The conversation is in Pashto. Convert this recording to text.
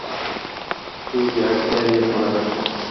ټولې اړتیاوې یې پوره دي.